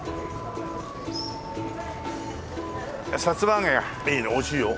さつま揚げがいいね美味しいよ。